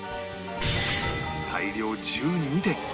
大量１２点